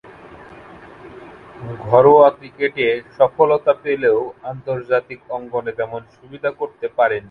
ঘরোয়া ক্রিকেটে সফলতা পেলেও আন্তর্জাতিক অঙ্গনে তেমন সুবিধা করতে পারেননি।